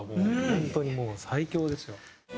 本当にもう最強ですよ。